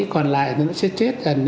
còn lại nó sẽ chết gần